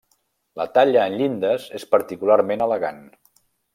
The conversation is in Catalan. La talla en llindes és particularment elegant.